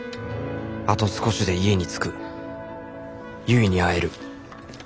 あと少しで家に着く結に会える。